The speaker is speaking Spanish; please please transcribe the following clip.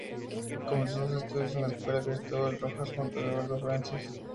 Comenzó sus estudios en la Escuela Cristóbal Rojas junto a Eduardo Francis.